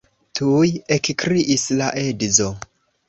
Tuj ekkriis la edzo.